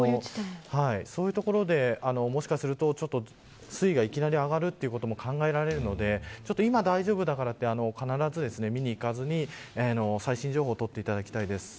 そういうところでもしかすると水位がいきなり上がることも考えられるので今、大丈夫だからといって見に行かずに、最新情報を取っていただきたいです。